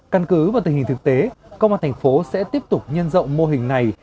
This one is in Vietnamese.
căn cứ vào tình hình thực tế công an tp sẽ tiếp tục nhân rộng mô hình này